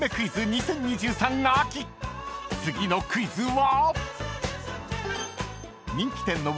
［次のクイズは］